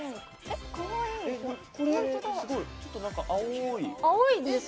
ちょっと青い。